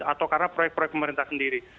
atau karena proyek proyek pemerintah sendiri